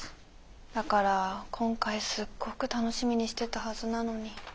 だから今回すっごく楽しみにしてたはずなのに。